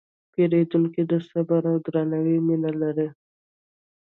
پیرودونکی د صبر او درناوي مینه لري.